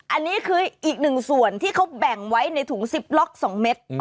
อันนี้คืออีกหนึ่งส่วนที่เขาแบ่งไว้ในถุง๑๐ล็อก๒เม็ด